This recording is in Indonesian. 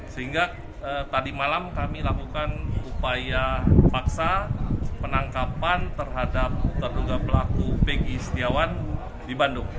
sehingga tadi malam kami lakukan upaya paksa penangkapan terhadap terduga pelaku pegi setiawan di bandung